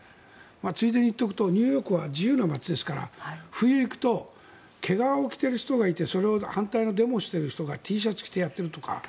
ついでに言っておくとニューヨークは自由の街ですから冬に行くと毛皮を着ている人がいてそれを反対のデモをしている人がＴシャツ着てやっているとか。